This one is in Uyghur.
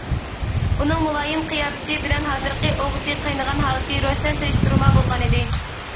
ئۇنىڭ مۇلايىم قىياپىتى بىلەن ھازىرقى ئوغىسى قاينىغان ھالىتى روشەن سېلىشتۇرما بولغانىدى.